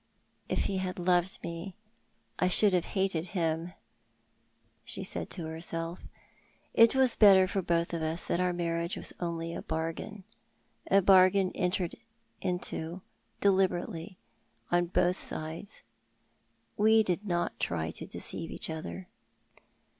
" If he had loved me I should have hated him," she said to herself. " It was better for both of us that our marriage was only a bargain — a bargain entered upon deliberately, on both sides. We did not try to deceive each other."